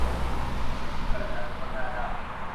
เพื่อนฉันเป็นคนหน้าด้าน